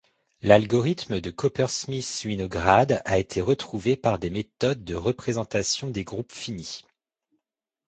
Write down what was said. L'algorithme de Coppersmith-Winograd a été retrouvé par des méthodes de représentation des groupes finis.